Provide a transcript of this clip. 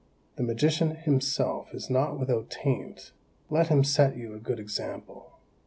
The magician himself is not without taint. Let him set you a good example."